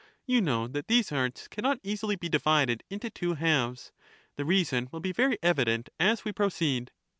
You know that these arts cannot easily be divided into two halves ; the reason will be very evident as we proceed.